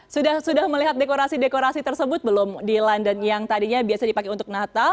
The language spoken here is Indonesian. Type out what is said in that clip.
sudah melihat dekorasi dekorasi tersebut belum di london yang tadinya biasa dipakai untuk natal